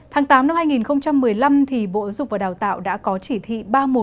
tháng tám năm hai nghìn một mươi năm thì bộ giáo dục và đào tạo đã có chỉ thị ba nghìn một trăm ba mươi một